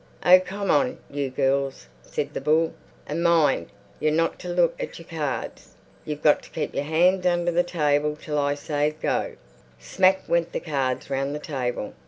"Oh, come on, you girls," said the bull. "And mind—you're not to look at your cards. You've got to keep your hands under the table till I say 'Go.'" Smack went the cards round the table.